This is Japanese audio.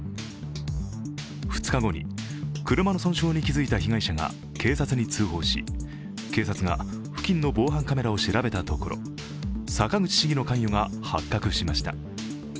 ２日後に車の損傷に気づいた被害者が警察に通報し警察が付近の防犯カメラを調べたところ坂口市議の関与が発覚しました。